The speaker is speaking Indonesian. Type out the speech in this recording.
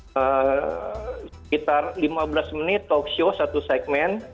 sekitar lima belas menit talkshow satu segmen